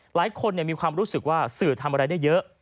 หลายคนมีความรู้สึกว่าสื่อทำอะไรได้เยอะ